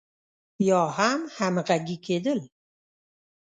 يا هم همغږي کېدل.